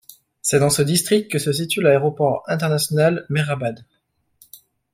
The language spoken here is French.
C'est dans ce district que se situe l'Aéroport international Mehrabad.